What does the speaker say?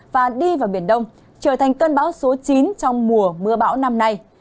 và đi vào biển đông trở thành cơn bão số chín trong mùa mưa bão năm nay